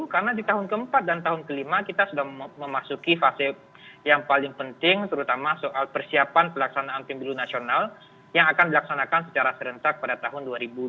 karena di tahun keempat dan tahun kelima kita sudah memasuki fase yang paling penting terutama soal persiapan pelaksanaan timbiru nasional yang akan dilaksanakan secara serentak pada tahun dua ribu dua puluh empat